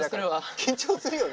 緊張するよね。